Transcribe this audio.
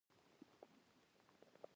نه له ځانه خبر وي نه له دنيا نه!